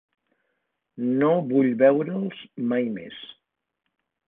No vull veure'ls mai més.